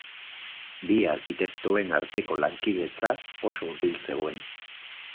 Bi arkitektoen arteko lankidetza oso hurbil zegoen.